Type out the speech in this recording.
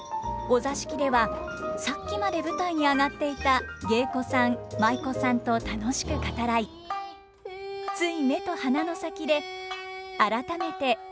お座敷ではさっきまで舞台に上がっていた芸妓さん舞妓さんと楽しく語らいつい目と鼻の先で改めて艶やかな芸を愛でる。